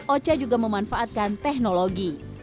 ocha juga memanfaatkan teknologi